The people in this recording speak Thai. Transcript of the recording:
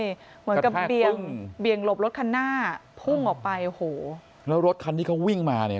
เหมือนกับเบี่ยงเบี่ยงหลบรถคันหน้าพุ่งออกไปโอ้โหแล้วรถคันที่เขาวิ่งมาเนี่ย